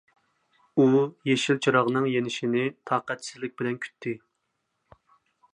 ئۇ يېشىل چىراغنىڭ يېنىشىنى تاقەتسىزلىك بىلەن كۈتتى.